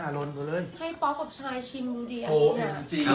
มันเป็นเค้กที่ดีมาก